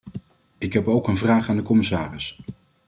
Ik heb ook een vraag aan de commissaris.